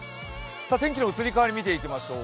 天気の移り変わりを見ていきましょう。